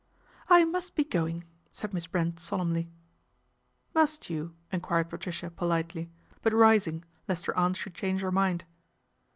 " I must be going," said Miss Brent solemnly. " Must you ?" enquired Patricia politely ; but rising lest her aunt should change her mind.